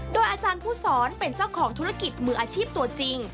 โดยอาจารย์ผู้สอนเป็นเจ้าของธุรกิจมืออาชีพตัวจริง